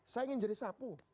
saya ingin jadi sapu